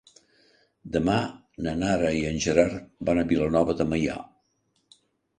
Demà na Nara i en Gerard van a Vilanova de Meià.